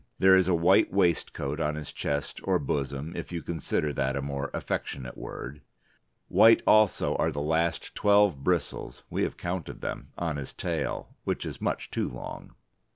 There is a white waistcoat on his chest, or bosom if you consider that a more affectionate word. White also are the last twelve bristles (we have counted them) on his tail (which is much too long).